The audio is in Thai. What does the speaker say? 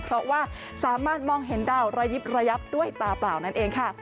เพราะว่าสามารถมองเห็นดาวระยิบระยับด้วยตาเปล่านั่นเองค่ะ